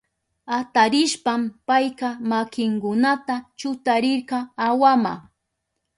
Atarishpan payka makinkunata chutarirka awama.